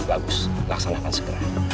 bagus laksanakan segera